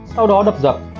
sau đó đập dập